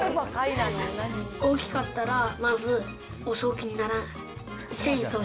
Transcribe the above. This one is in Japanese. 大きかったらまず、襲う気にならない。